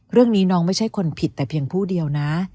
เรื่องนี้น้องไม่ใช่คนผิดแต่เพียงผู้เดียวนะ